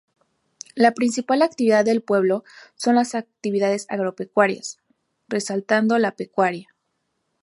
La principal actividad del pueblo son las actividades agropecuarias, resaltando la pecuaria.